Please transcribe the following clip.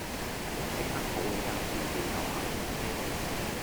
即刻抱起阿 B 掉頭行遠些少